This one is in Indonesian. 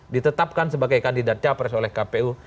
ditetapkan sebagai kandidat capres oleh kpu